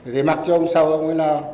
để mặc cho ông sau ông mới lo